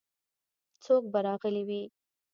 څوک به راغلي وي.